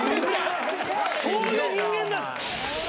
そういう人間なの。